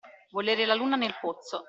Volere la luna nel pozzo.